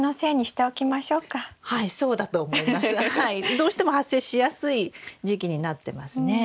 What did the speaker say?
どうしても発生しやすい時期になってますね。